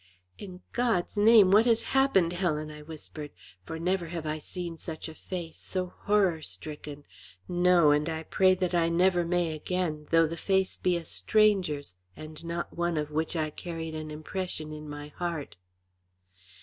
"In God's name what has happened, Helen?" I whispered. For never have I seen such a face, so horror stricken no, and I pray that I never may again, though the face be a stranger's and not one of which I carried an impression in my heart.